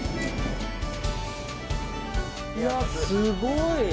いや、すごい！